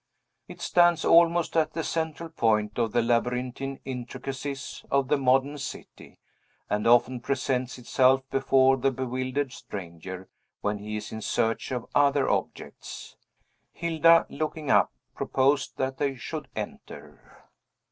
It stands almost at the central point of the labyrinthine intricacies of the modern city, and often presents itself before the bewildered stranger, when he is in search of other objects. Hilda, looking up, proposed that they should enter.